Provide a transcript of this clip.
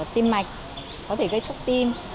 tim mạch có thể gây sốc tim